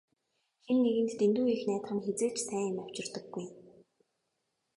Хэн нэгэнд дэндүү их найдах нь хэзээ ч сайн юм авчирдаггүй.